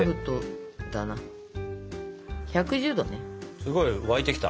すごい沸いてきた。